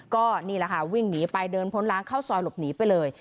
ก็นี่แหละค่ะวิ่งหนีไปเดินพ้นล้างเข้าซอยหลบหนีไปเลย